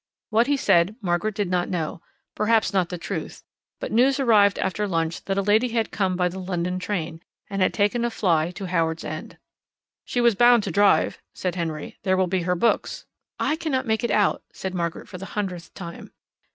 What he said, Margaret did not know perhaps not the truth; but news arrived after lunch that a lady had come by the London train, and had taken a fly to Howards End. "She was bound to drive," said Henry. "There will be her books. "I cannot make it out," said Margaret for the hundredth time.